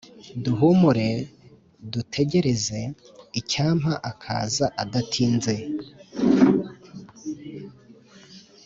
duhumure, dutegereze.icyampa akaza adatinze!